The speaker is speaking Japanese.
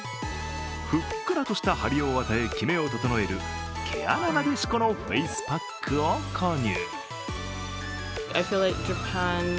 ふっくらとしたハリを与え、キメを整える毛穴撫子のフェイスパックを購入。